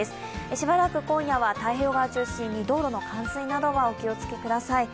しばらく今夜は太平洋側を中心に道路の冠水などにお気をつけください。